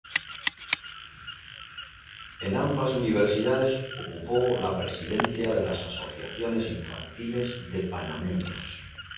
En ambas Universidades ocupó la presidencia de la Asociaciones estudiantiles de panameños.